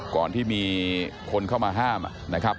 ก่อนที่มีคนเข้ามาห้ามนะครับ